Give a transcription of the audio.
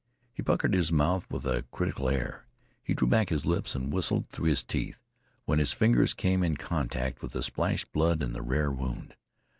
He puckered his mouth with a critical air. He drew back his lips and whistled through his teeth when his fingers came in contact with the splashed blood and the rare wound.